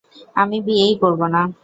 আমি বিয়েই করব না।